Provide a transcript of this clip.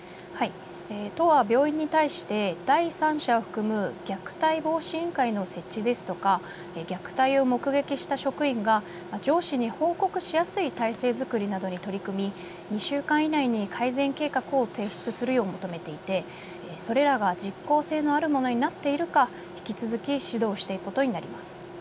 都は病院に対して第三者を含む虐待防止委員会の設置ですとか虐待を目撃した職員が上司に報告しやすい体制づくりなどに取り組み、２週間以内に改善計画を提出するよう求めていて、それらが実効性のあるものになっているか引き続き指導していくことになります。